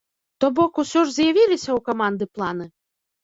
То бок, усё ж з'явіліся ў каманды планы?